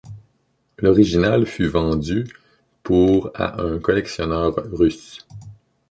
L'original fut vendu pour à un collectionneur russe.